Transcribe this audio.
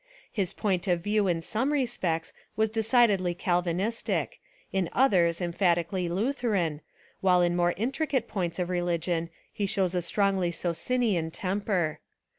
His point of view in some respects was decidedly Cal vinistic, in others emphatically Lutheran, while In more intricate points of religion he shows a strongly Socinian temper.